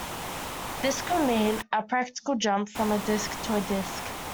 This could mean a practical jump from a disk to a disk.